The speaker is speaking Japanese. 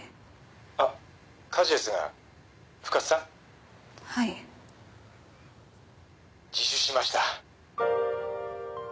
あっ梶ですが深津さん？はい。自首しました。